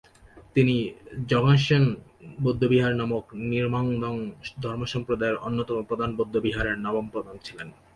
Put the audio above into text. তিনি র্দ্জোগ্স-ছেন বৌদ্ধবিহার নামক র্ন্যিং-মা ধর্মসম্প্রদায়ের অন্যতম প্রধান বৌদ্ধবিহারের নবম প্রধান ছিলেন।